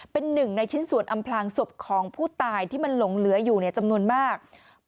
เป็นหนึ่งในชิ้นส่วนอำพลางศพของผู้ตายที่มันหลงเหลืออยู่จำนวนมาก